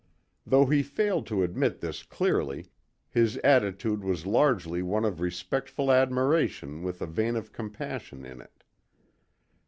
Though he failed to admit this clearly, his attitude was largely one of respectful admiration with a vein of compassion in it.